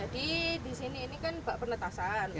jadi di sini ini kan bak penetasan